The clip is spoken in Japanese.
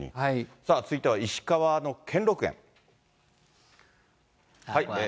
さあ、続いては石川の兼六園。